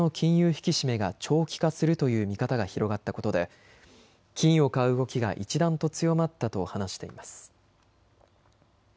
引き締めが長期化するという見方が広がったことで金を買う動きが一段と強まったと話しています。